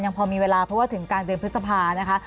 พอมีเวลาเพราะว่าถึงกลางเดือนพฤษภานะคะ